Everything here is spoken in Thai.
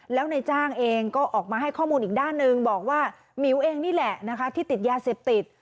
แล้วในจ้างเองก็ออกมาให้ข้อมูลอีกด้านหนึ่งบอกว่าหมิวเองนี่แหละนะคะที่ติดยาเสพติด